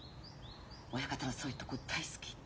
親方のそういうとこ大好き！